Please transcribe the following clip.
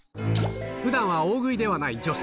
ふだんは大食いではない女性。